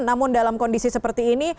namun dalam kondisi seperti ini